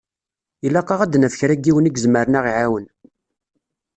Ilaq-aɣ ad d-naf kra n yiwen i izemren ad ɣ-iɛawen.